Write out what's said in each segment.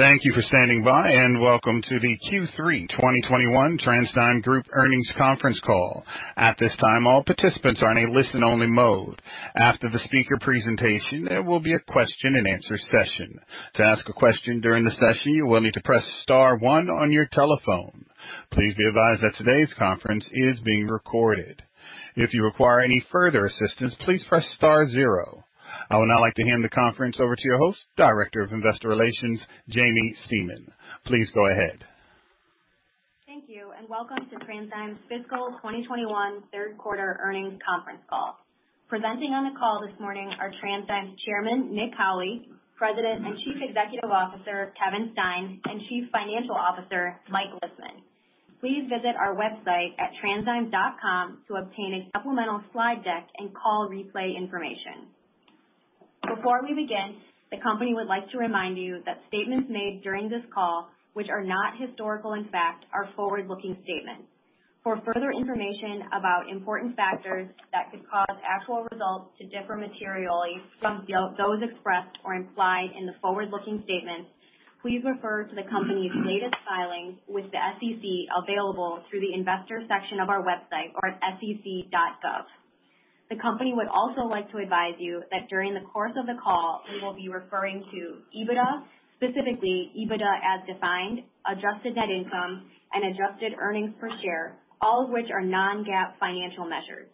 Thank you for standing by, and welcome to the Q3 2021 TransDigm Group earnings conference call. At this time, all participants are in a listen-only mode. After the speaker presentation, there will be a question and answer session. To ask a question during the session, you will need to press star one on your telephone. Please be advised that today's conference is being recorded. If you require any further assistance, please press star zero. I would now like to hand the conference over to your host, Director of Investor Relations, Jaimie Stemen. Please go ahead. Thank you, and welcome to TransDigm's fiscal 2021 third quarter earnings conference call. Presenting on the call this morning are TransDigm's Chairman, Nick Howley, President and Chief Executive Officer, Kevin Stein, and Chief Financial Officer, Mike Lisman. Please visit our website at transdigm.com to obtain a supplemental slide deck and call replay information. Before we begin, the company would like to remind you that statements made during this call, which are not historical in fact, are forward-looking statements. For further information about important factors that could cause actual results to differ materially from those expressed or implied in the forward-looking statements, please refer to the company's latest filings with the SEC, available through the investors section of our website or at sec.gov. The company would also like to advise you that during the course of the call, we will be referring to EBITDA, specifically EBITDA As Defined, adjusted net income, and adjusted earnings per share, all of which are non-GAAP financial measures.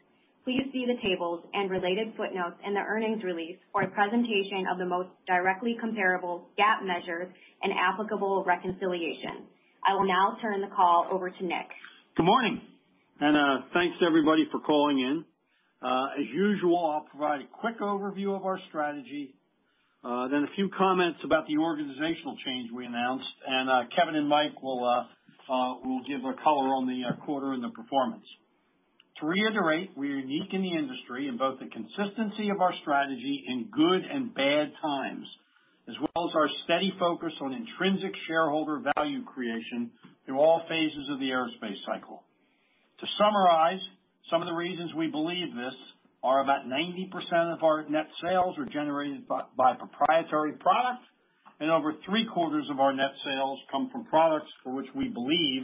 Please see the tables and related footnotes in the earnings release for a presentation of the most directly comparable GAAP measures and applicable reconciliation. I will now turn the call over to Nick. Good morning, and thanks everybody for calling in. As usual, I'll provide a quick overview of our strategy, then a few comments about the organizational change we announced, and Kevin and Mike will give color on the quarter and the performance. To reiterate, we are unique in the industry in both the consistency of our strategy in good and bad times, as well as our steady focus on intrinsic shareholder value creation through all phases of the aerospace cycle. To summarize, some of the reasons we believe this are about 90% of our net sales are generated by proprietary products, and over three-quarters of our net sales come from products for which we believe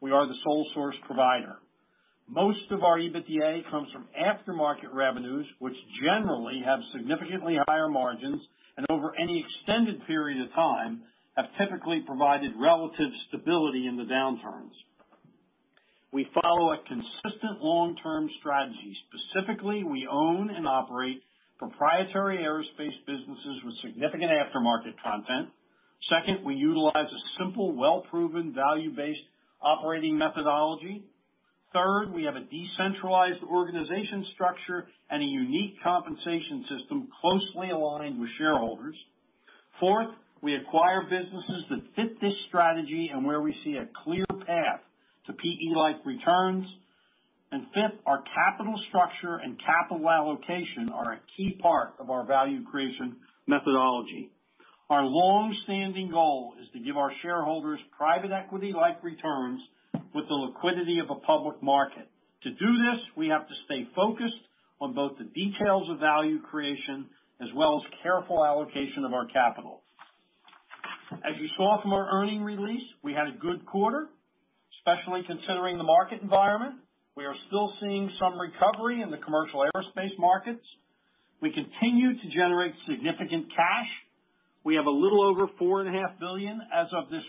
we are the sole source provider. Most of our EBITDA comes from aftermarket revenues, which generally have significantly higher margins and over any extended period of time have typically provided relative stability in the downturns. We follow a consistent long-term strategy. Specifically, we own and operate proprietary aerospace businesses with significant aftermarket content. Second, we utilize a simple, well-proven, value-based operating methodology. Third, we have a decentralized organization structure and a unique compensation system closely aligned with shareholders. Fourth, we acquire businesses that fit this strategy and where we see a clear path to PE-like returns. Fifth, our capital structure and capital allocation are a key part of our value creation methodology. Our longstanding goal is to give our shareholders private equity-like returns with the liquidity of a public market. To do this, we have to stay focused on both the details of value creation as well as careful allocation of our capital. As you saw from our earnings release, we had a good quarter, especially considering the market environment. We are still seeing some recovery in the commercial aerospace markets. We continue to generate significant cash. We have a little over $4.5 billion as of the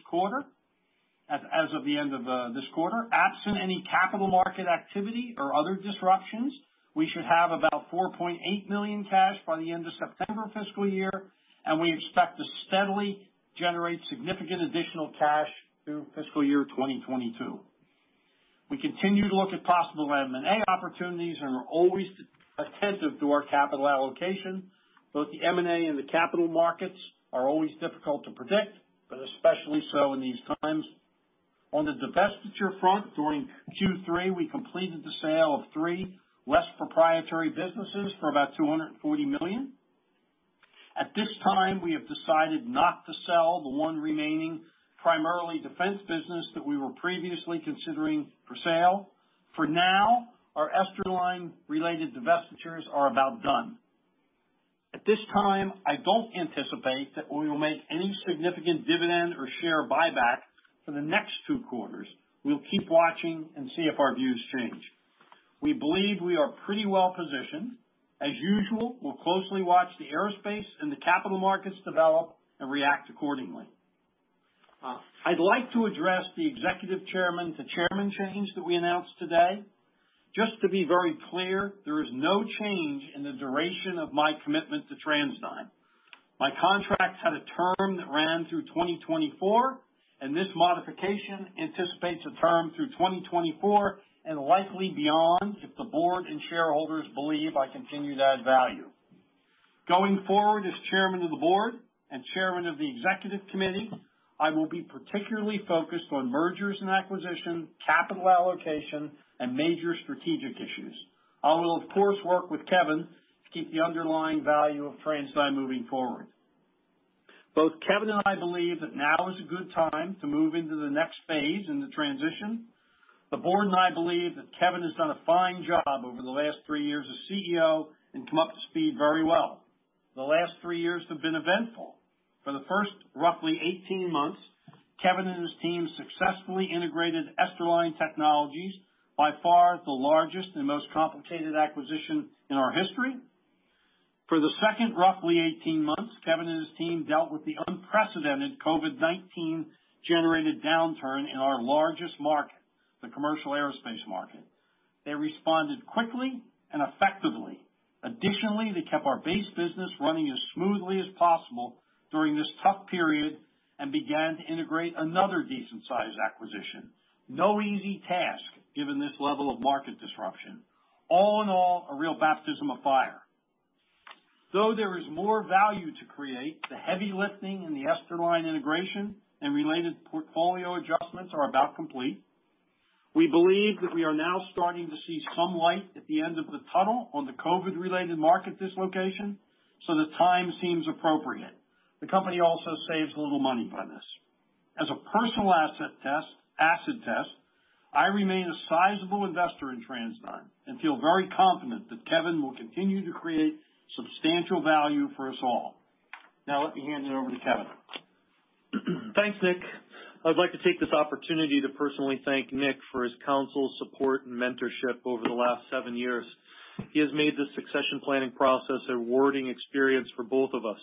end of this quarter. Absent any capital market activity or other disruptions, we should have about $4.8 million cash by the end of September fiscal year, and we expect to steadily generate significant additional cash through fiscal year 2022. We continue to look at possible M&A opportunities and are always attentive to our capital allocation. The M&A and the capital markets are always difficult to predict, especially so in these times. On the divestiture front, during Q3, we completed the sale of three less proprietary businesses for about $240 million. At this time, we have decided not to sell the one remaining primarily defense business that we were previously considering for sale. For now, our Esterline-related divestitures are about done. At this time, I don't anticipate that we will make any significant dividend or share buyback for the next two quarters. We'll keep watching and see if our views change. We believe we are pretty well-positioned. As usual, we'll closely watch the aerospace and the capital markets develop and react accordingly. I'd like to address the Executive Chairman to Chairman change that we announced today. Just to be very clear, there is no change in the duration of my commitment to TransDigm. My contract had a term that ran through 2024, and this modification anticipates a term through 2024 and likely beyond if the Board and shareholders believe I continue to add value. Going forward as Chairman of the Board and Chairman of the Executive Committee, I will be particularly focused on mergers and acquisition, capital allocation, and major strategic issues. I will, of course, work with Kevin to keep the underlying value of TransDigm moving forward. Both Kevin and I believe that now is a good time to move into the next phase in the transition. The board and I believe that Kevin has done a fine job over the last three years as CEO and come up to speed very well. The last three years have been eventful. For the first roughly 18 months, Kevin and his team successfully integrated Esterline Technologies, by far the largest and most complicated acquisition in our history. For the second roughly 18 months, Kevin and his team dealt with the unprecedented COVID-19 generated downturn in our largest market, the commercial aerospace market. They responded quickly and effectively. Additionally, they kept our base business running as smoothly as possible during this tough period and began to integrate another decent-sized acquisition. No easy task, given this level of market disruption. All in all, a real baptism of fire. Though there is more value to create, the heavy lifting in the Esterline integration and related portfolio adjustments are about complete. We believe that we are now starting to see some light at the end of the tunnel on the COVID-related market dislocation, so the time seems appropriate. The company also saves a little money by this. As a personal acid test, I remain a sizable investor in TransDigm and feel very confident that Kevin will continue to create substantial value for us all. Now let me hand it over to Kevin. Thanks, Nick. I would like to take this opportunity to personally thank Nick for his counsel, support and mentorship over the last seven years. He has made the succession planning process a rewarding experience for both of us.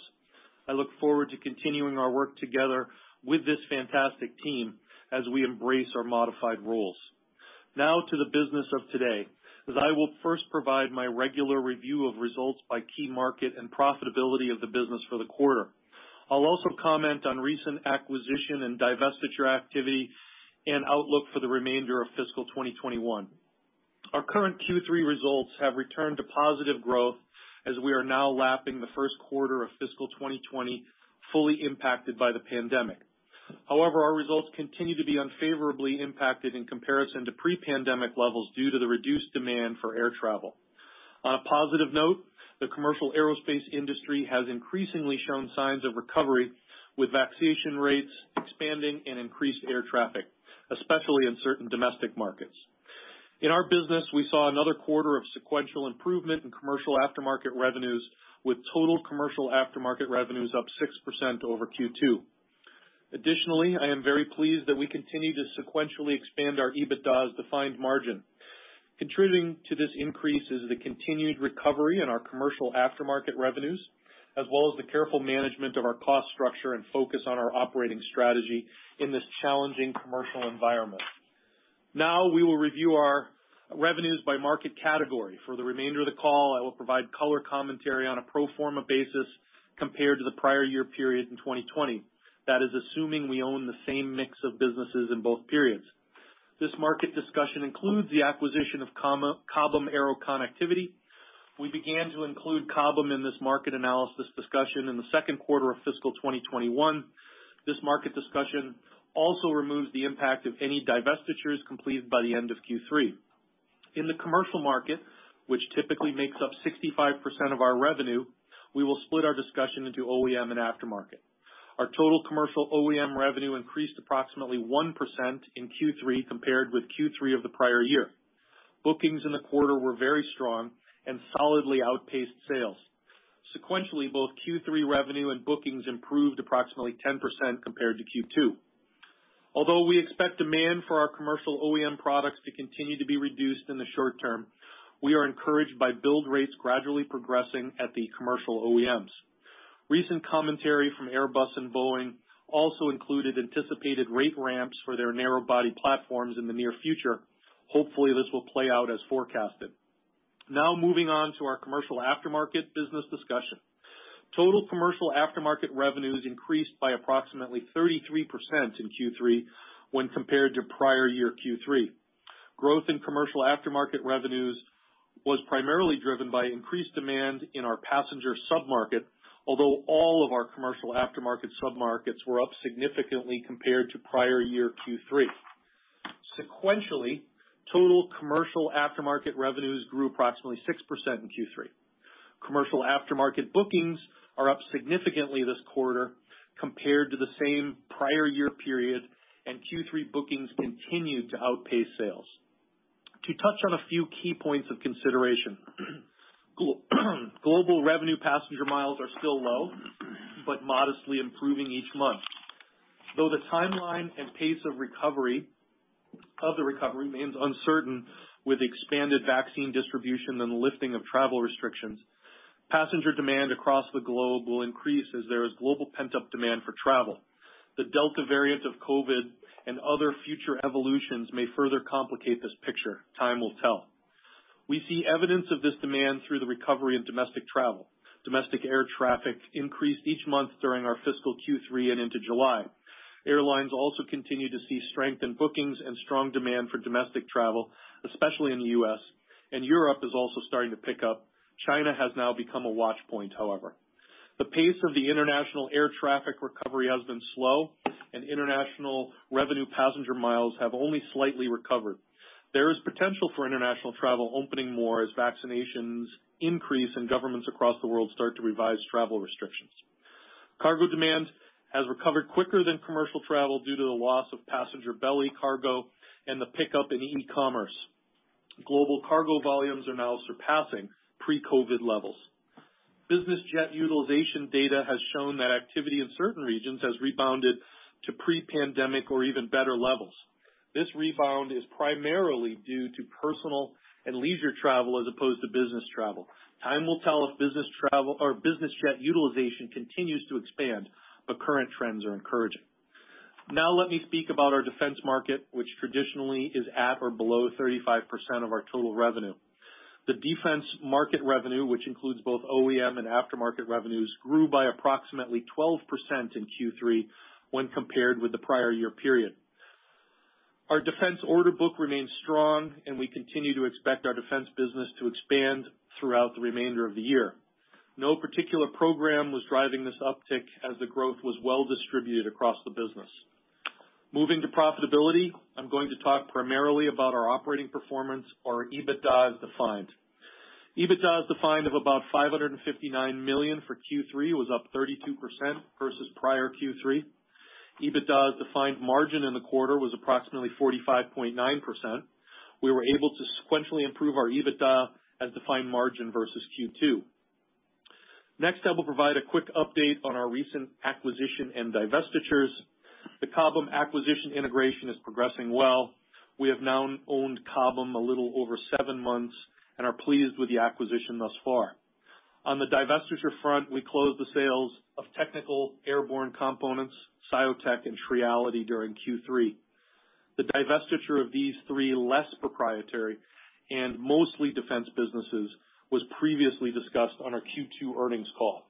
I look forward to continuing our work together with this fantastic team as we embrace our modified roles. Now to the business of today, as I will first provide my regular review of results by key market and profitability of the business for the quarter. I will also comment on recent acquisition and divestiture activity and outlook for the remainder of fiscal 2021. Our current Q3 results have returned to positive growth as we are now lapping the first quarter of fiscal 2020, fully impacted by the pandemic. However, our results continue to be unfavorably impacted in comparison to pre-pandemic levels due to the reduced demand for air travel. On a positive note, the commercial aerospace industry has increasingly shown signs of recovery, with vaccination rates expanding and increased air traffic, especially in certain domestic markets. In our business, we saw another quarter of sequential improvement in commercial aftermarket revenues, with total commercial aftermarket revenues up 6% over Q2. Additionally, I am very pleased that we continue to sequentially expand our EBITDA As Defined margin. Contributing to this increase is the continued recovery in our commercial aftermarket revenues, as well as the careful management of our cost structure and focus on our operating strategy in this challenging commercial environment. We will review our revenues by market category. For the remainder of the call, I will provide color commentary on a pro forma basis compared to the prior year period in 2020. That is assuming we own the same mix of businesses in both periods. This market discussion includes the acquisition of Cobham Aero Connectivity. We began to include Cobham in this market analysis discussion in the second quarter of fiscal 2021. This market discussion also removes the impact of any divestitures completed by the end of Q3. In the commercial market, which typically makes up 65% of our revenue, we will split our discussion into OEM and aftermarket. Our total commercial OEM revenue increased approximately 1% in Q3 compared with Q3 of the prior year. Bookings in the quarter were very strong and solidly outpaced sales. Sequentially, both Q3 revenue and bookings improved approximately 10% compared to Q2. Although we expect demand for our commercial OEM products to continue to be reduced in the short term, we are encouraged by build rates gradually progressing at the commercial OEMs. Recent commentary from Airbus and Boeing also included anticipated rate ramps for their narrow body platforms in the near future. Hopefully, this will play out as forecasted. Moving on to our commercial aftermarket business discussion. Total commercial aftermarket revenues increased by approximately 33% in Q3 when compared to prior year Q3. Growth in commercial aftermarket revenues was primarily driven by increased demand in our passenger sub-market, although all of our commercial aftermarket sub-markets were up significantly compared to prior year Q3. Sequentially, total commercial aftermarket revenues grew approximately 6% in Q3. Commercial aftermarket bookings are up significantly this quarter compared to the same prior year period, and Q3 bookings continued to outpace sales. To touch on a few key points of consideration, global revenue passenger miles are still low, but modestly improving each month. Though the timeline and pace of the recovery remains uncertain with expanded vaccine distribution and the lifting of travel restrictions, passenger demand across the globe will increase as there is global pent-up demand for travel. The Delta variant of COVID and other future evolutions may further complicate this picture. Time will tell. We see evidence of this demand through the recovery in domestic travel. Domestic air traffic increased each month during our fiscal Q3 and into July. Airlines also continue to see strength in bookings and strong demand for domestic travel, especially in the U.S., and Europe is also starting to pick up. China has now become a watch point, however. The pace of the international air traffic recovery has been slow, and international revenue passenger miles have only slightly recovered. There is potential for international travel opening more as vaccinations increase and governments across the world start to revise travel restrictions. Cargo demand has recovered quicker than commercial travel due to the loss of passenger belly cargo and the pickup in e-commerce. Global cargo volumes are now surpassing pre-COVID levels. Business jet utilization data has shown that activity in certain regions has rebounded to pre-pandemic or even better levels. This rebound is primarily due to personal and leisure travel as opposed to business travel. Time will tell if business travel or business jet utilization continues to expand, but current trends are encouraging. Let me speak about our defense market, which traditionally is at or below 35% of our total revenue. The defense market revenue, which includes both OEM and aftermarket revenues, grew by approximately 12% in Q3 when compared with the prior year period. Our defense order book remains strong, and we continue to expect our defense business to expand throughout the remainder of the year. No particular program was driving this uptick as the growth was well distributed across the business. Moving to profitability, I'm going to talk primarily about our operating performance or our EBITDA As Defined. EBITDA As Defined of about $559 million for Q3 was up 32% versus prior Q3. EBITDA As Defined margin in the quarter was approximately 45.9%. We were able to sequentially improve our EBITDA As Defined margin versus Q2. Next, I will provide a quick update on our recent acquisition and divestitures. The Cobham acquisition integration is progressing well. We have now owned Cobham a little over seven months and are pleased with the acquisition thus far. On the divestiture front, we closed the sales of Technical Airborne Components, ScioTeq, and TREALITY during Q3. The divestiture of these three less proprietary and mostly defense businesses was previously discussed on our Q2 earnings call.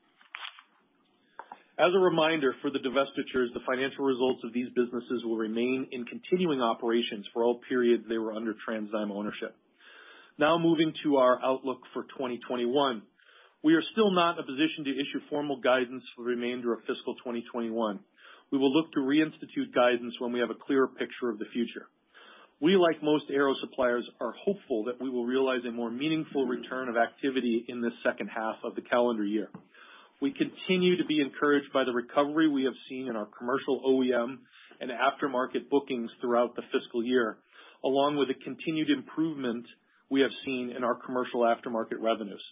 As a reminder for the divestitures, the financial results of these businesses will remain in continuing operations for all periods they were under TransDigm ownership. Now moving to our outlook for 2021. We are still not in a position to issue formal guidance for the remainder of fiscal 2021. We will look to reinstitute guidance when we have a clearer picture of the future. We, like most aero suppliers, are hopeful that we will realize a more meaningful return of activity in this second half of the calendar year. We continue to be encouraged by the recovery we have seen in our commercial OEM and aftermarket bookings throughout the fiscal year, along with the continued improvement we have seen in our commercial aftermarket revenues.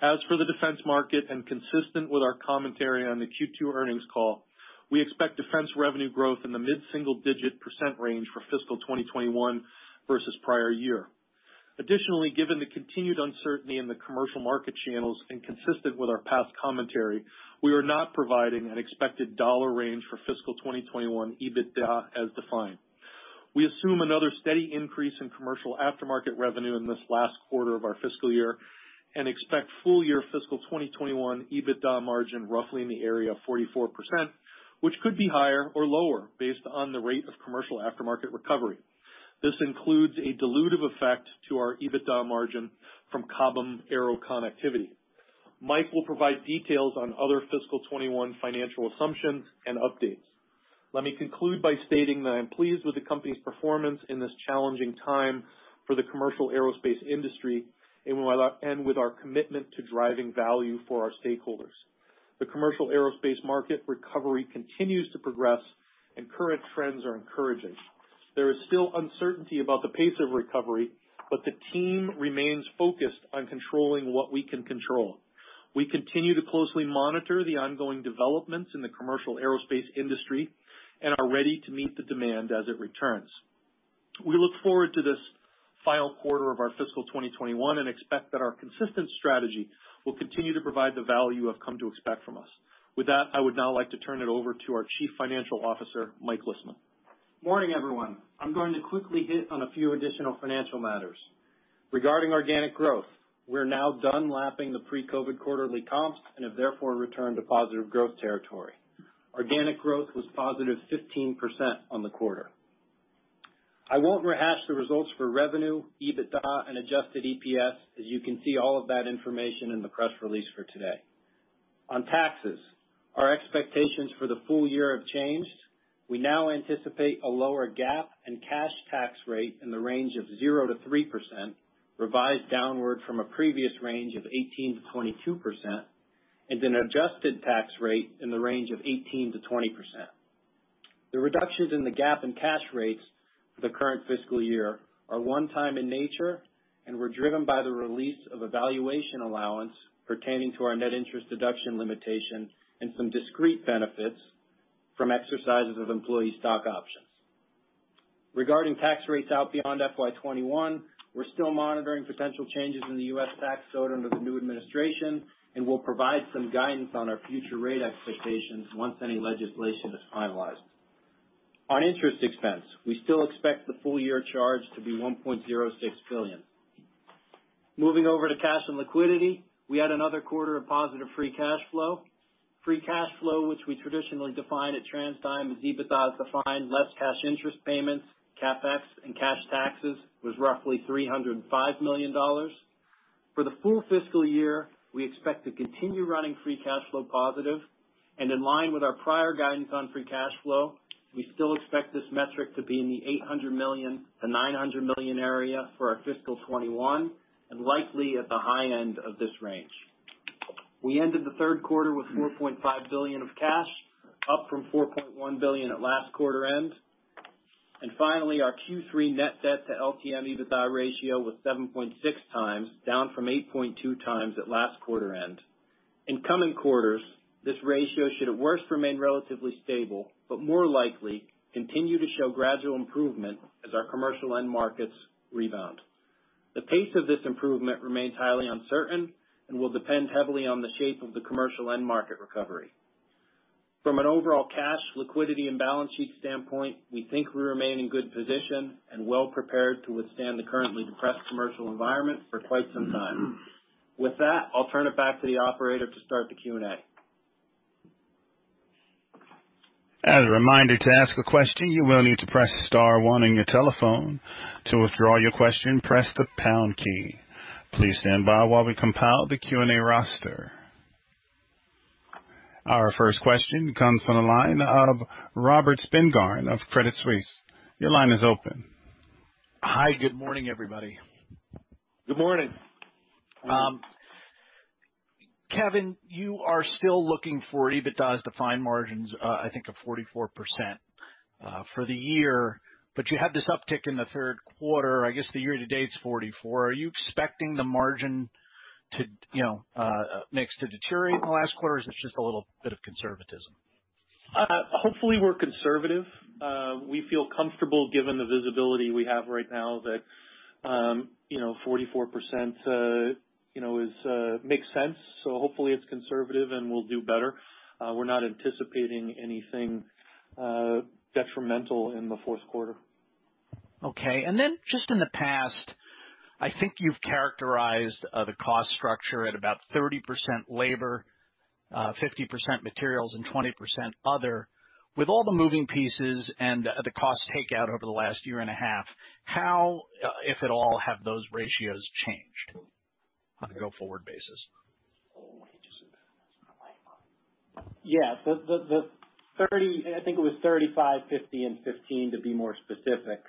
As for the defense market, and consistent with our commentary on the Q2 earnings call, we expect defense revenue growth in the mid-single digit % range for fiscal 2021 versus the prior year. Additionally, given the continued uncertainty in the commercial market channels and consistent with our past commentary, we are not providing an expected dollar range for fiscal 2021 EBITDA As Defined. We assume another steady increase in commercial aftermarket revenue in this last quarter of our fiscal year and expect full year fiscal 2021 EBITDA margin roughly in the area of 44%, which could be higher or lower based on the rate of commercial aftermarket recovery. This includes a dilutive effect to our EBITDA margin from Cobham Aero Connectivity. Mike will provide details on other fiscal 2021 financial assumptions and updates. Let me conclude by stating that I'm pleased with the company's performance in this challenging time for the commercial aerospace industry, and with our commitment to driving value for our stakeholders. The commercial aerospace market recovery continues to progress, and current trends are encouraging. There is still uncertainty about the pace of recovery, but the team remains focused on controlling what we can control. We continue to closely monitor the ongoing developments in the commercial aerospace industry and are ready to meet the demand as it returns. We look forward to this final quarter of our fiscal 2021 and expect that our consistent strategy will continue to provide the value you have come to expect from us. With that, I would now like to turn it over to our Chief Financial Officer, Mike Lisman. Morning, everyone. I'm going to quickly hit on a few additional financial matters. Regarding organic growth, we're now done lapping the pre-COVID-19 quarterly comps and have therefore returned to positive growth territory. Organic growth was positive 15% on the quarter. I won't rehash the results for revenue, EBITDA, and adjusted EPS, as you can see all of that information in the press release for today. On taxes, our expectations for the full year have changed. We now anticipate a lower GAAP and cash tax rate in the range of 0%-3%, revised downward from a previous range of 18%-22%, and an adjusted tax rate in the range of 18%-20%. The reductions in the GAAP and cash rates for the current fiscal year are one-time in nature and were driven by the release of a valuation allowance pertaining to our net interest deduction limitation and some discrete benefits from exercises of employee stock options. Regarding tax rates out beyond FY 2021, we're still monitoring potential changes in the U.S. tax code under the new administration, and we'll provide some guidance on our future rate expectations once any legislation is finalized. On interest expense, we still expect the full-year charge to be $1.06 billion. Moving over to cash and liquidity, we had another quarter of positive free cash flow. Free cash flow, which we traditionally define at TransDigm as EBITDA As Defined, less cash interest payments, CapEx, and cash taxes, was roughly $305 million. For the full fiscal year, we expect to continue running free cash flow positive and in line with our prior guidance on free cash flow. We still expect this metric to be in the $800 million-$900 million area for our FY 2021, and likely at the high end of this range. We ended the third quarter with $4.5 billion of cash, up from $4.1 billion at last quarter end. Finally, our Q3 net debt to LTM EBITDA ratio was 7.6x, down from 8.2x at last quarter end. In coming quarters, this ratio should at worst remain relatively stable, more likely continue to show gradual improvement as our commercial end markets rebound. The pace of this improvement remains highly uncertain and will depend heavily on the shape of the commercial end market recovery. From an overall cash, liquidity, and balance sheet standpoint, we think we remain in good position and well prepared to withstand the currently depressed commercial environment for quite some time. With that, I'll turn it back to the operator to start the Q&A. As a reminder to ask a question, you will need to press star one on your telephone. To withdraw your question, press the pound key. Please standby while we compile the Q and A roster. Our first question comes from the line of Robert Spingarn of Credit Suisse. Your line is open. Hi. Good morning, everybody. Good morning. Kevin, you are still looking for EBITDA As Defined margins, I think, of 44% for the year. You had this uptick in the third quarter. I guess the year to date is 44%. Are you expecting the margin to deteriorate in the last quarter, or is this just a little bit of conservatism? Hopefully we're conservative. We feel comfortable given the visibility we have right now that, 44% makes sense. Hopefully it's conservative and we'll do better. We're not anticipating anything detrimental in the fourth quarter. Okay. Just in the past, I think you've characterized the cost structure at about 30% labor, 50% materials, and 20% other. With all the moving pieces and the cost takeout over the last year and a half, how, if at all, have those ratios changed on a go forward basis? Yeah. I think it was 35, 50, and 15 to be more specific.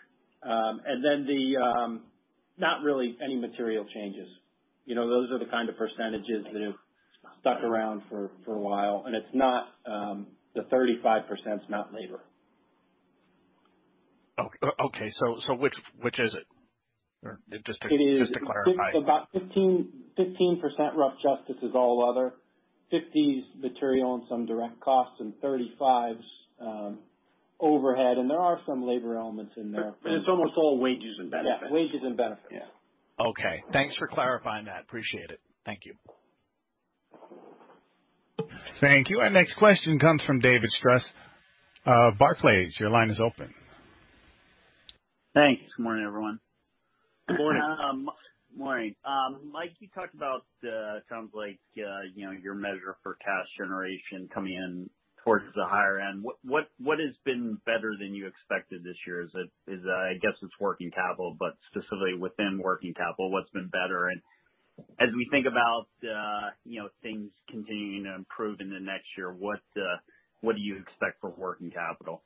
Not really any material changes. Those are the kind of percentages that have stuck around for a while, and the 35%'s not labor. Okay. Which is it? Just to clarify. It is about 15% rough justice is all other. 50 is material and some direct costs, and 35's overhead. There are some labor elements in there. It's almost all wages and benefits. Yeah, wages and benefits. Yeah. Okay. Thanks for clarifying that. Appreciate it. Thank you. Thank you. Our next question comes from David Strauss, Barclays. Your line is open. Thanks. Good morning, everyone. Good morning. Morning. Mike, you talked about, sounds like, your measure for cash generation coming in towards the higher end. What has been better than you expected this year? I guess it's working capital, but specifically within working capital, what's been better? As we think about things continuing to improve in the next year, what do you expect for working capital?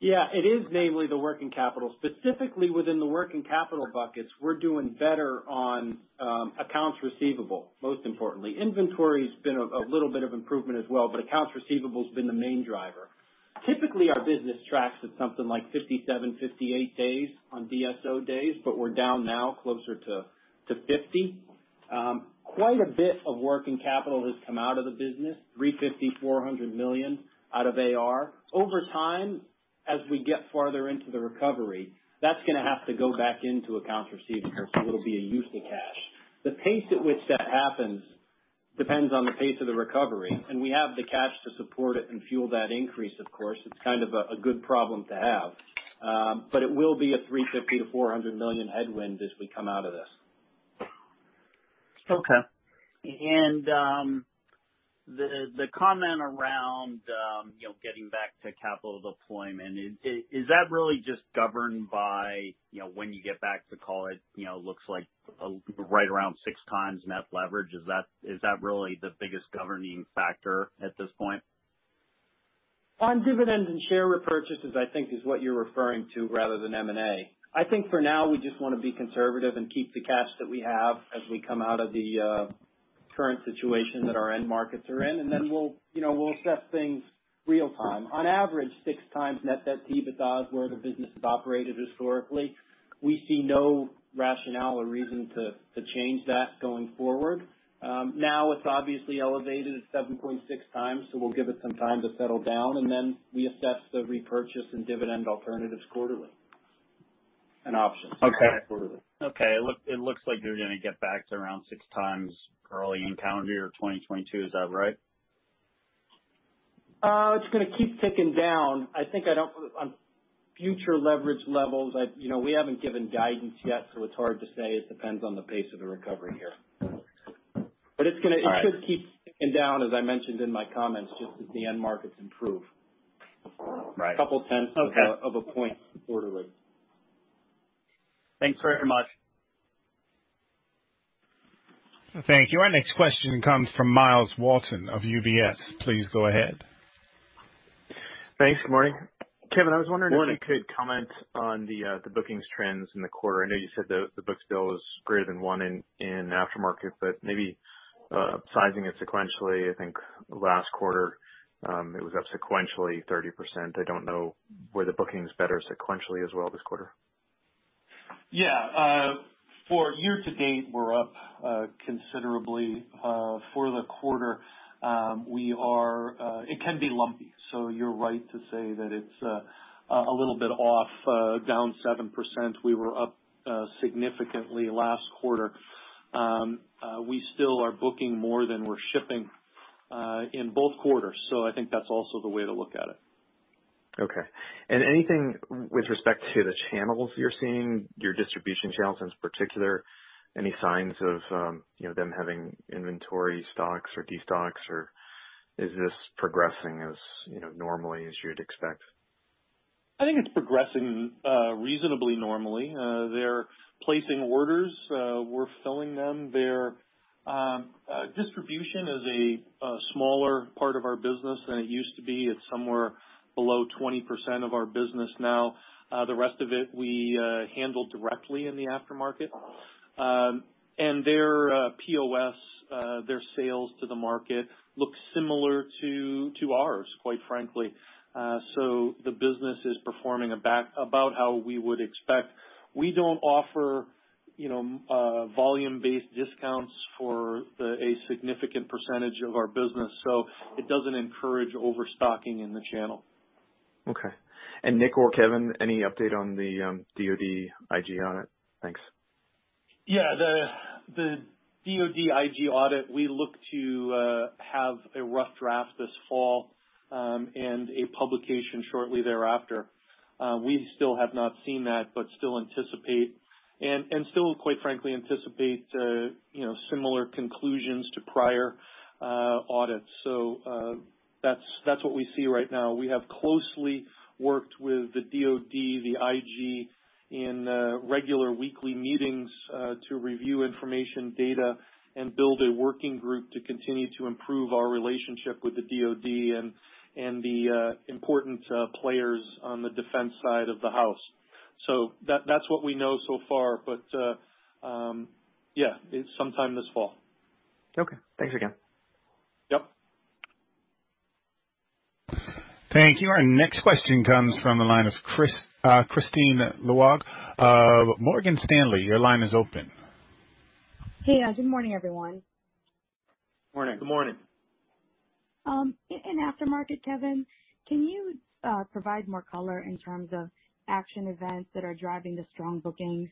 Yeah. It is namely the working capital. Specifically within the working capital buckets, we're doing better on accounts receivable, most importantly. Inventory's been a little bit of improvement as well, but accounts receivable's been the main driver. Typically, our business tracks at something like 57, 58 days on DSO days, but we're down now closer to 50. Quite a bit of working capital has come out of the business, $350 million, $400 million out of AR. Over time, as we get farther into the recovery, that's going to have to go back into accounts receivable. It'll be a use of cash. The pace at which that happens depends on the pace of the recovery, and we have the cash to support it and fuel that increase, of course. It's kind of a good problem to have. It will be a $350 million-$400 million headwind as we come out of this. Okay. The comment around getting back to capital deployment, is that really just governed by when you get back to call it looks like right around 6x net leverage? Is that really the biggest governing factor at this point? On dividends and share repurchases, I think is what you're referring to rather than M&A. I think for now we just want to be conservative and keep the cash that we have as we come out of the current situation that our end markets are in, and then we'll assess things real time. On average, six times net debt to EBITDA is where the business has operated historically. We see no rationale or reason to change that going forward. Now it's obviously elevated at 7.6x, so we'll give it some time to settle down and then reassess the repurchase and dividend alternatives quarterly and options. Okay. Quarterly. Okay. It looks like you're going to get back to around 6x early in calendar year 2022. Is that right? It's going to keep ticking down. On future leverage levels, we haven't given guidance yet, so it's hard to say. It depends on the pace of the recovery here. It should keep ticking down as I mentioned in my comments, just as the end markets improve. Right. A couple tenths- Okay of a point quarterly. Thanks very much. Thank you. Our next question comes from Myles Walton of UBS. Please go ahead. Thanks. Good morning. Kevin, I was wondering if you could comment on the bookings trends in the quarter. I know you said the books bill is greater than 1 in aftermarket, maybe upsizing it sequentially. I think last quarter it was up sequentially 30%. I don't know were the bookings better sequentially as well this quarter? Yeah. For year to date, we're up considerably. For the quarter, it can be lumpy. You're right to say that it's a little bit off, down 7%. We were up significantly last quarter. We still are booking more than we're shipping in both quarters. I think that's also the way to look at it. Okay. Anything with respect to the channels you're seeing, your distribution channels in particular, any signs of them having inventory stocks or de-stocks, or is this progressing as normally as you'd expect? I think it's progressing reasonably normally. They're placing orders, we're filling them. Distribution is a smaller part of our business than it used to be. It's somewhere below 20% of our business now. The rest of it we handle directly in the aftermarket. Their POS, their sales to the market, looks similar to ours, quite frankly. The business is performing about how we would expect. We don't offer volume-based discounts for a significant percentage of our business, so it doesn't encourage overstocking in the channel. Okay. Nick or Kevin, any update on the DoD IG audit? Thanks. Yeah, the DoD IG audit, we look to have a rough draft this fall, and a publication shortly thereafter. We still have not seen that, but still anticipate, and still quite frankly anticipate similar conclusions to prior audits. That's what we see right now. We have closely worked with the DoD, the IG, in regular weekly meetings, to review information, data, and build a working group to continue to improve our relationship with the DoD and the important players on the defense side of the house. That's what we know so far. Yeah, it's sometime this fall. Okay. Thanks again. Yep. Thank you. Our next question comes from the line of Kristine Liwag of Morgan Stanley. Your line is open. Hey. Good morning, everyone. Morning. Good morning. In aftermarket, Kevin, can you provide more color in terms of action events that are driving the strong bookings?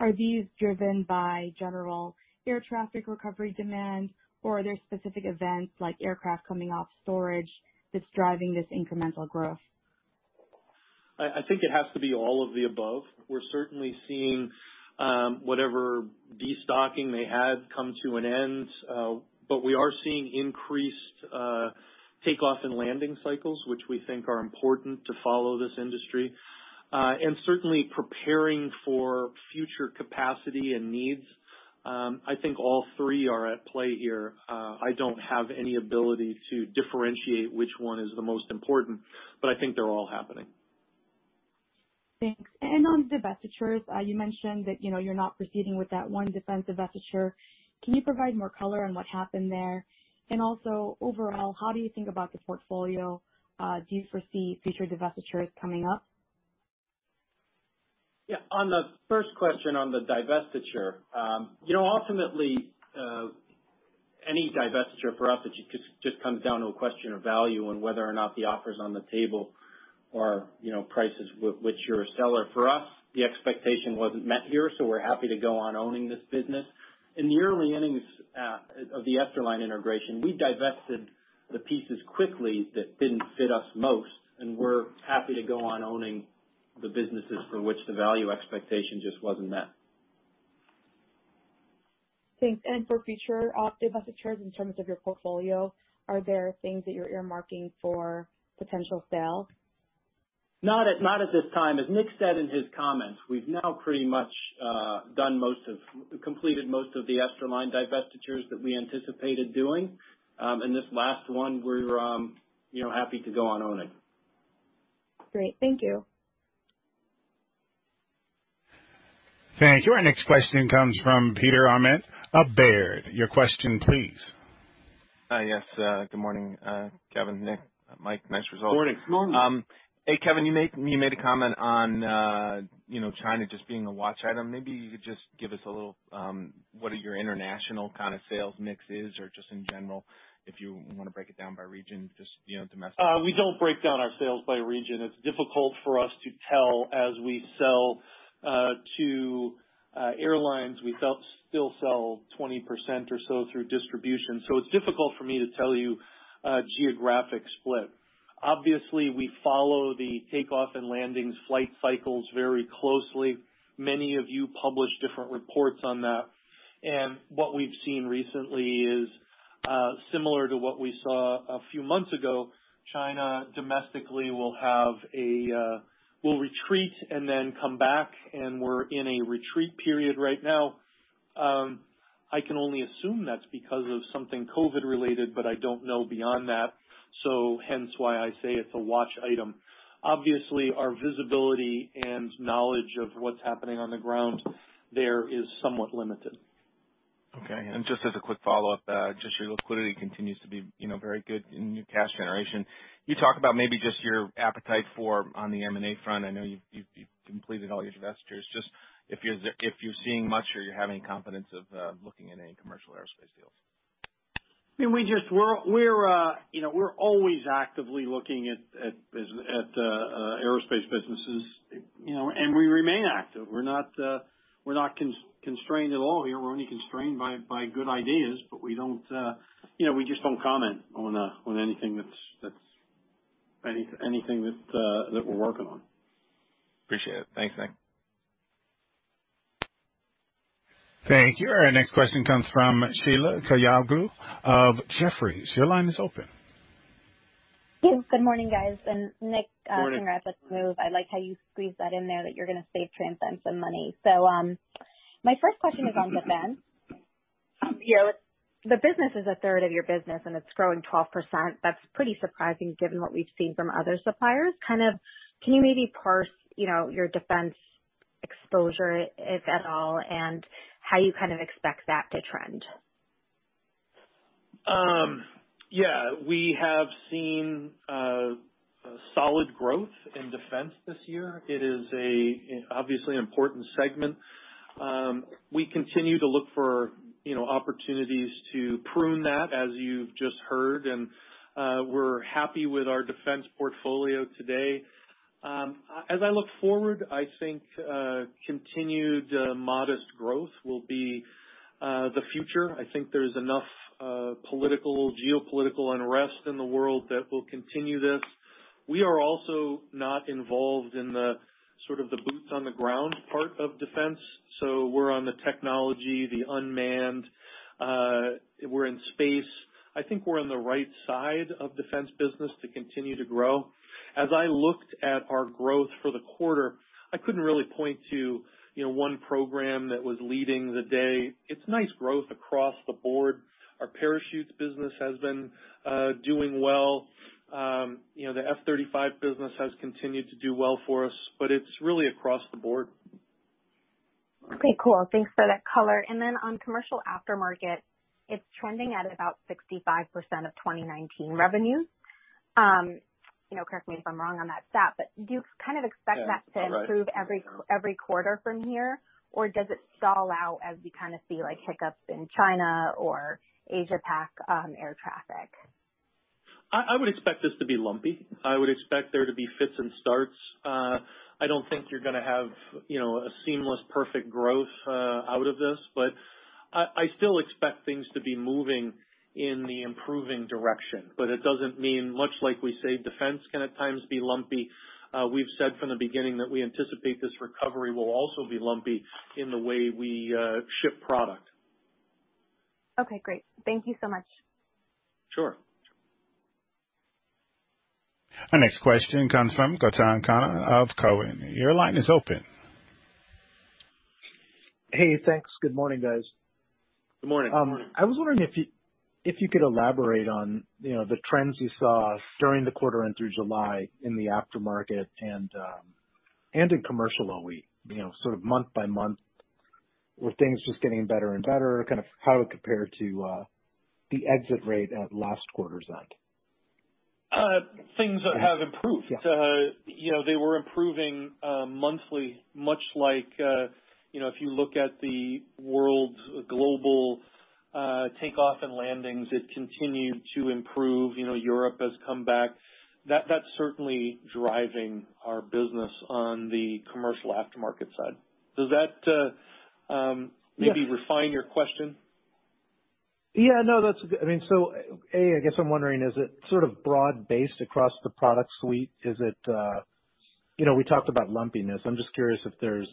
Are these driven by general air traffic recovery demand, or are there specific events like aircraft coming off storage that's driving this incremental growth? I think it has to be all of the above. We're certainly seeing whatever de-stocking they had come to an end. We are seeing increased takeoff and landing cycles, which we think are important to follow this industry, and certainly preparing for future capacity and needs. I think all three are at play here. I don't have any ability to differentiate which one is the most important, but I think they're all happening. Thanks. On divestitures, you mentioned that you're not proceeding with that one defense divestiture. Can you provide more color on what happened there? Also, overall, how do you think about the portfolio? Do you foresee future divestitures coming up? Yeah. On the first question on the divestiture, ultimately, any divestiture for us just comes down to a question of value and whether or not the offers on the table are prices which you're a seller. For us, the expectation wasn't met here, so we're happy to go on owning this business. In the early innings of the Esterline integration, we divested the pieces quickly that didn't fit us most, and we're happy to go on owning the businesses for which the value expectation just wasn't met. Thanks. For future divestitures in terms of your portfolio, are there things that you're earmarking for potential sales? Not at this time. As Nick said in his comments, we've now pretty much completed most of the Esterline divestitures that we anticipated doing. This last one we're happy to go on owning. Great. Thank you. Thank you. Our next question comes from Peter Arment of Baird. Your question please. Yes. Good morning, Kevin, Nick, Mike. Nice results. Morning. Morning. Hey, Kevin, you made a comment on China just being a watch item. Maybe you could just give us a little, what are your international kind of sales mixes or just in general, if you want to break it down by region, just domestic? We don't break down our sales by region. It's difficult for us to tell as we sell to airlines. We still sell 20% or so through distribution. It's difficult for me to tell you a geographic split. Obviously, we follow the takeoff and landings flight cycles very closely. Many of you publish different reports on that. What we've seen recently is similar to what we saw a few months ago, China domestically will retreat and then come back. We're in a retreat period right now. I can only assume that's because of something COVID-19 related. I don't know beyond that. Hence why I say it's a watch item. Obviously, our visibility and knowledge of what's happening on the ground there is somewhat limited. Okay. Just as a quick follow-up, just your liquidity continues to be very good in your cash generation. Can you talk about maybe just your appetite on the M&A front? I know you've completed all your divestitures. Just if you're seeing much or you have any confidence of looking at any commercial aerospace deals? We're always actively looking at aerospace businesses, and we remain active. We're not constrained at all here. We're only constrained by good ideas. We just don't comment on anything that we're working on. Appreciate it. Thanks, Nick. Thank you. Our next question comes from Sheila Kahyaoglu of Jefferies. Your line is open. Yes, good morning, guys. Morning. Nick, congrats with Move. I like how you squeezed that in there, that you're going to save TransDigm some money. My first question is on defense. The business is a third of your business, and it's growing 12%. That's pretty surprising given what we've seen from other suppliers. Can you maybe parse your defense exposure, if at all, and how you kind of expect that to trend? We have seen solid growth in defense this year. It is obviously an important segment. We continue to look for opportunities to prune that, as you've just heard, and we're happy with our defense portfolio today. As I look forward, I think continued modest growth will be the future. I think there's enough geopolitical unrest in the world that will continue this. We are also not involved in the sort of the boots on the ground part of defense. We're on the technology, the unmanned. We're in space. I think we're on the right side of defense business to continue to grow. As I looked at our growth for the quarter, I couldn't really point to one program that was leading the day. It's nice growth across the board. Our parachutes business has been doing well. The F-35 business has continued to do well for us, but it's really across the board. Okay, cool. Thanks for that color. On commercial aftermarket, it's trending at about 65% of 2019 revenues. Correct me if I'm wrong on that stat, do you kind of expect that to improve every quarter from here? Or does it stall out as we kind of see hiccups in China or Asia Pac air traffic? I would expect this to be lumpy. I would expect there to be fits and starts. I don't think you're going to have a seamless, perfect growth out of this. I still expect things to be moving in the improving direction. It doesn't mean much like we say, defense can at times be lumpy. We've said from the beginning that we anticipate this recovery will also be lumpy in the way we ship product. Okay, great. Thank you so much. Sure. Our next question comes from Gautam Khanna of Cowen. Your line is open. Hey, thanks. Good morning, guys. Good morning. I was wondering if you could elaborate on the trends you saw during the quarter and through July in the aftermarket and in commercial OE, sort of month by month. Were things just getting better and better, kind of how it compared to the exit rate at last quarter's end? Things have improved. Yeah. They were improving monthly, much like if you look at the world's global takeoff and landings, it continued to improve. Europe has come back. That's certainly driving our business on the commercial aftermarket side. Does that maybe refine your question? Yeah. I guess I'm wondering, is it sort of broad-based across the product suite? We talked about lumpiness. I'm just curious if there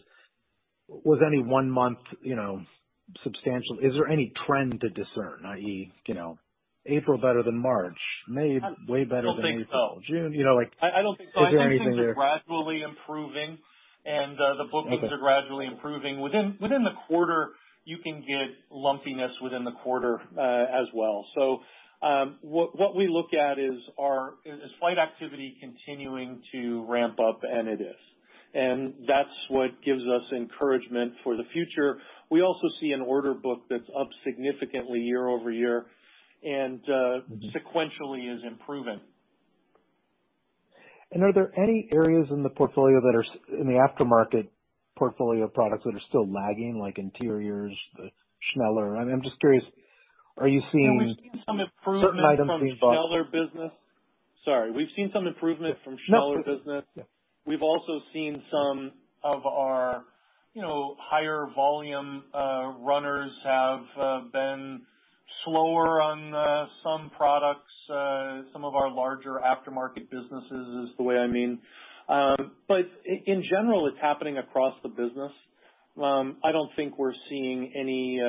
was any one month substantial. Is there any trend to discern, i.e., April better than March? May way better than April? I don't think so. June. Is there anything there? I think things are gradually improving, and the bookings are gradually improving. Okay. Within the quarter, you can get lumpiness within the quarter as well. What we look at is flight activity continuing to ramp up, and it is. That's what gives us encouragement for the future. We also see an order book that's up significantly year-over-year and sequentially is improving. Are there any areas in the aftermarket portfolio of products that are still lagging, like interiors, the Schneller? I'm just curious. Are you seeing certain items being bought? We've seen some improvement from Schneller business. Yeah. We've also seen some of our higher volume runners have been slower on some products. Some of our larger aftermarket businesses is the way I mean. In general, it's happening across the business. I don't think we're seeing any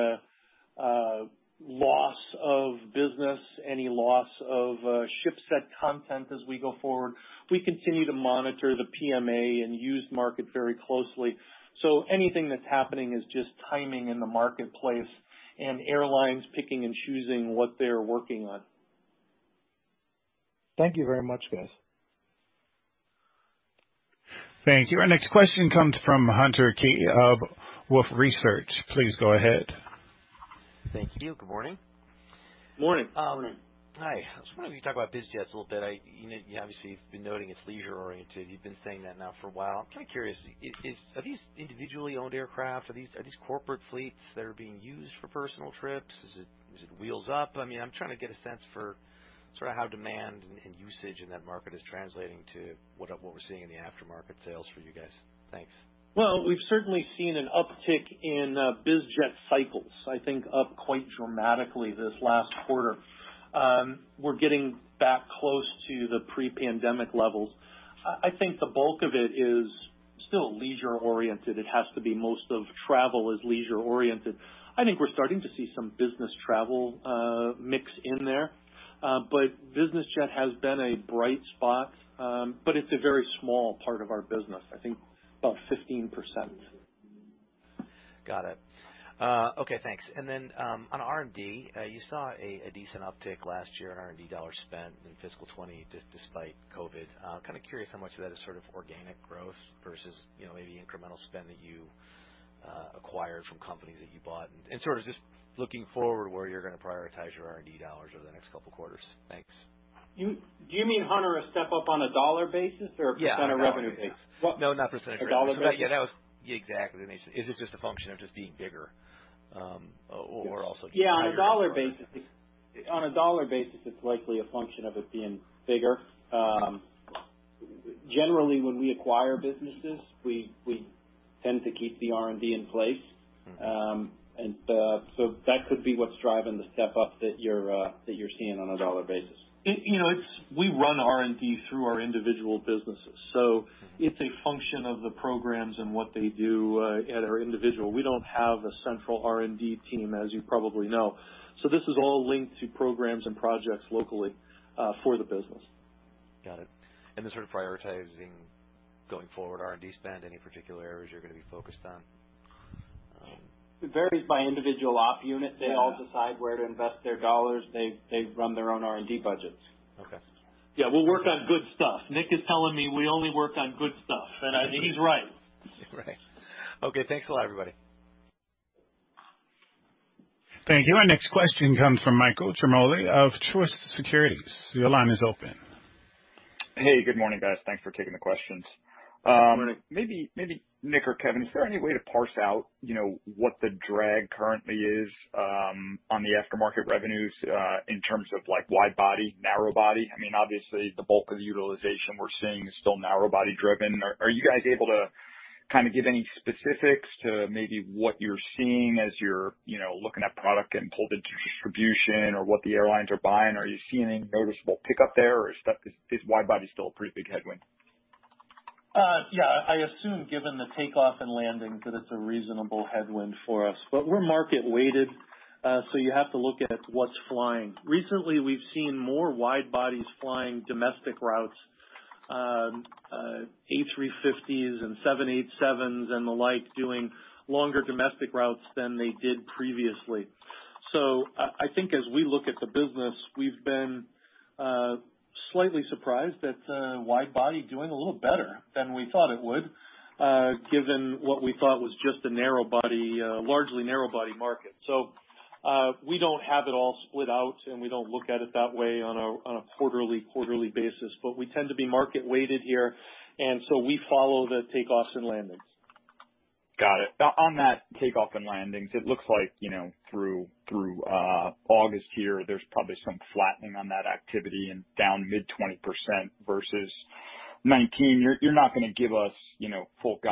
loss of business, any loss of ship set content as we go forward. We continue to monitor the PMA and used market very closely. Anything that's happening is just timing in the marketplace and airlines picking and choosing what they're working on. Thank you very much, guys. Thank you. Our next question comes from Hunter Keay of Wolfe Research. Please go ahead. Thank you. Good morning. Morning. Morning. Hi. I was wondering if you could talk about biz jets a little bit. You obviously have been noting it's leisure-oriented. You've been saying that now for a while. I'm kind of curious, are these individually owned aircraft? Are these corporate fleets that are being used for personal trips? Is it Wheels Up? I'm trying to get a sense for how demand and usage in that market is translating to what we're seeing in the aftermarket sales for you guys. Thanks. We've certainly seen an uptick in biz jet cycles, I think up quite dramatically this last quarter. We're getting back close to the pre-pandemic levels. I think the bulk of it is still leisure-oriented. It has to be, most of travel is leisure-oriented. I think we're starting to see some business travel mix in there. Business jet has been a bright spot, but it's a very small part of our business. I think about 15%. Got it. Okay, thanks. On R&D, you saw a decent uptick last year in R&D dollars spent in fiscal 2020, despite COVID-19. I'm kind of curious how much of that is sort of organic growth versus maybe incremental spend that you acquired from companies that you bought, and sort of just looking forward, where you're going to prioritize your R&D dollars over the next couple of quarters. Thanks. Do you mean, Hunter, a step up on a dollar basis or a percent of revenue basis? No, not percent of revenue. A dollar basis? Yeah, exactly. Is it just a function of just being bigger? Or also- Yeah, on a dollar basis, it's likely a function of it being bigger. Generally, when we acquire businesses, we tend to keep the R&D in place. That could be what's driving the step up that you're seeing on a dollar basis. We run R&D through our individual businesses. It's a function of the programs and what they do at our individual. We don't have a central R&D team, as you probably know. This is all linked to programs and projects locally, for the business. Got it. Sort of prioritizing going forward R&D spend, any particular areas you're going to be focused on? It varies by individual op unit. They all decide where to invest their dollars. They run their own R&D budgets. Okay. Yeah, we'll work on good stuff. Nick is telling me we only work on good stuff, and he's right. Right. Okay, thanks a lot, everybody. Thank you. Our next question comes from Michael Ciarmoli of Truist Securities. Your line is open. Hey, good morning, guys. Thanks for taking the questions. Morning. Maybe Nick or Kevin, is there any way to parse out what the drag currently is on the aftermarket revenues, in terms of wide-body, narrow-body? Obviously, the bulk of the utilization we're seeing is still narrow-body driven. Are you guys able to give any specifics to maybe what you're seeing as you're looking at product and pull the distribution or what the airlines are buying? Are you seeing any noticeable pickup there, or is wide-body still a pretty big headwind? Yeah. I assume given the takeoff and landings, that it's a reasonable headwind for us. We're market-weighted, so you have to look at what's flying. Recently, we've seen more wide-bodies flying domestic routes, A350s and 787s and the like, doing longer domestic routes than they did previously. I think as we look at the business, we've been slightly surprised that wide-body doing a little better than we thought it would, given what we thought was just a largely narrow-body market. We don't have it all split out, and we don't look at it that way on a quarterly basis. We tend to be market-weighted here, and so we follow the takeoffs and landings. Got it. On that takeoff and landings, it looks like through August here, there's probably some flattening on that activity and down mid-20% versus 2019.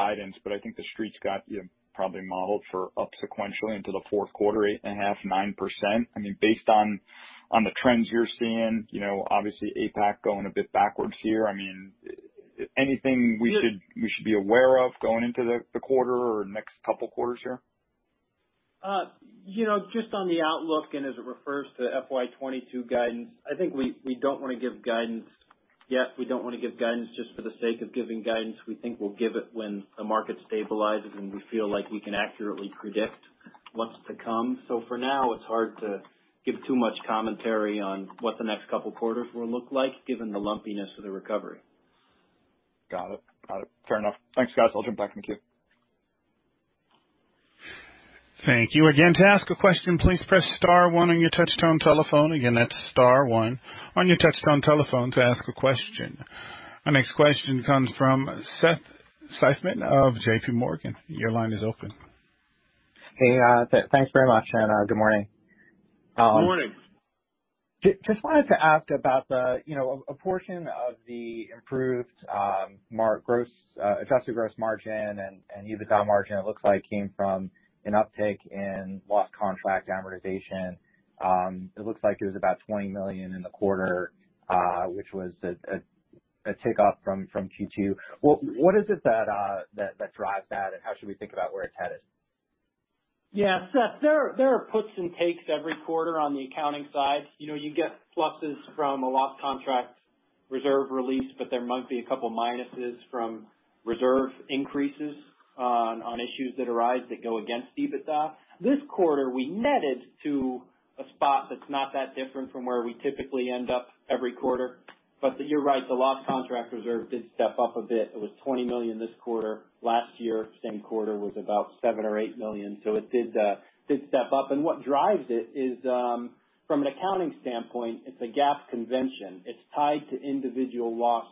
I think the Street's got you probably modeled for up sequentially into the fourth quarter, 8.5%-9%. Based on the trends you're seeing, obviously APAC going a bit backwards here. Anything we should be aware of going into the quarter or next couple quarters here? Just on the outlook and as it refers to FY 2022 guidance, I think we don't want to give guidance yet. We don't want to give guidance just for the sake of giving guidance. We think we'll give it when the market stabilizes, and we feel like we can accurately predict what's to come. For now, it's hard to give too much commentary on what the next couple of quarters will look like, given the lumpiness of the recovery. Got it. Fair enough. Thanks, guys. I'll jump back in the queue. Thank you. To ask a question, please press star one on your touchtone telephone. Again, that's star one on your touchtone telephone to ask a question. Our next question comes from Seth Seifman of JPMorgan. Your line is open. Hey. Thanks very much, good morning. Morning. Just wanted to ask about a portion of the improved adjusted gross margin and EBITDA margin, it looks like came from an uptick in loss contract amortization. It looks like it was about $20 million in the quarter, which was a takeoff from Q2. What is it that drives that? How should we think about where it's headed? Yeah, Seth, there are puts and takes every quarter on the accounting side. You get pluses from a loss contract reserve release, but there might be a couple of minuses from reserve increases on issues that arise that go against EBITDA. This quarter, we netted to a spot that's not that different from where we typically end up every quarter. You're right, the loss contract reserve did step up a bit. It was $20 million this quarter. Last year, same quarter, was about $7 million or $8 million. It did step up. What drives it is, from an accounting standpoint, it's a GAAP convention. It's tied to individual loss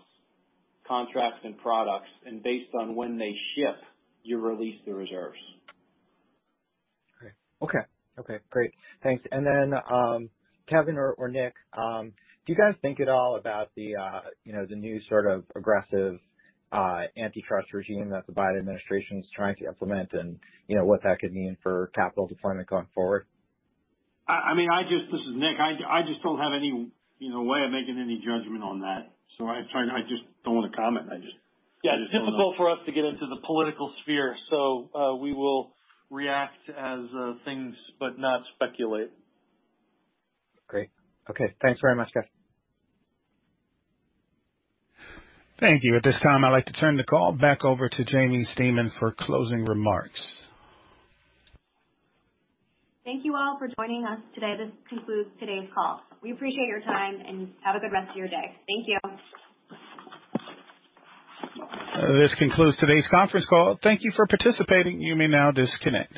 contracts and products, and based on when they ship, you release the reserves. Okay. Great. Thanks. Kevin or Nick, do you guys think at all about the new sort of aggressive antitrust regime that the Biden administration is trying to implement and what that could mean for capital deployment going forward? This is Nick. I just don't have any way of making any judgment on that. I just don't want to comment. It's difficult for us to get into the political sphere. We will react as things, not speculate. Great. Okay. Thanks very much, guys. Thank you. At this time, I'd like to turn the call back over to Jaimie Stemen for closing remarks. Thank you all for joining us today. This concludes today's call. We appreciate your time, and have a good rest of your day. Thank you. This concludes today's conference call. Thank you for participating. You may now disconnect.